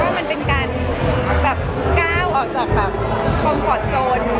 มันเป็นการแบบก้าวออกจากแบบคอมพอร์ตโซน